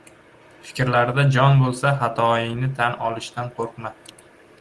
Fikrlarida jon boʻlsa, xatoingni tan olishdan qoʻrqma.